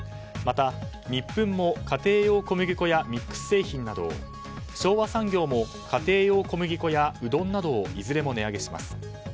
また、ニップンも家庭用小麦粉やミックス製品などを昭和産業も家庭用小麦粉やうどんなどをいずれも値上げします。